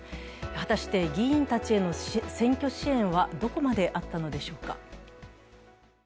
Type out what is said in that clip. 果たして、議員たちへの選挙支援はどこまであったのでしょうか。